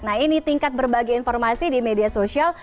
nah ini tingkat berbagai informasi di media sosial